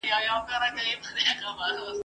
چي عقل نه لري هیڅ نه لري !.